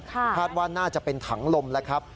คาดว่าน่าจะเป็นถังลมแล้วครับ